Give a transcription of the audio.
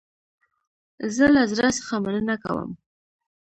زه له زړه څخه مننه کوم